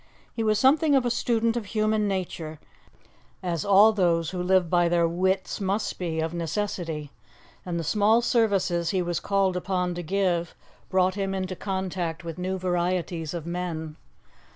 He was something of a student of human nature, as all those who live by their wits must be of necessity; and the small services he was called upon to give brought him into contact with new varieties of men.